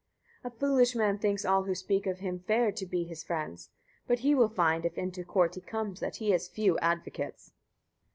25. A foolish man thinks all who speak him fair to be his friends; but he will find, if into court he comes, that he has few advocates.